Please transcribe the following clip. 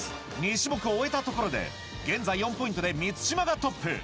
２種目を終えたところで現在４ポイントで満島がトップ